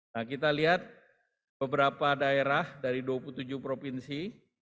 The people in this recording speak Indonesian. nah kita lihat beberapa daerah dari dua puluh tujuh provinsi